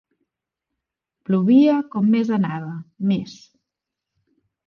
Plovia com més anava, més.